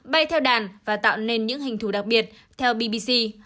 bay theo đàn và tạo nên những hình thủ đặc biệt theo bbc